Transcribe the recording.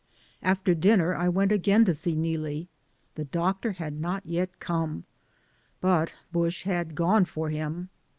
After dinner I went again to see Neelie; the doctor had not yet come, but Bush had gone for him.